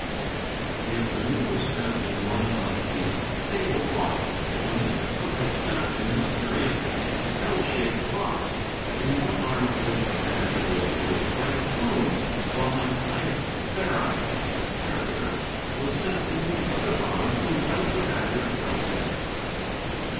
The afternoon was spent in one of the stable lofts, where Mr. Cooke had set up a mysterious L shaped box, in one arm of which a badger was placed by a groom, while my client's Sarah, a terrier, was sent into the other arm to invite the badger out.